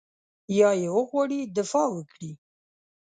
یا یې وغواړي دفاع وکړي.